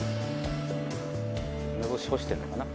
梅干し干してるのかな。